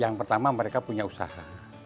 yang pertama mereka punya usaha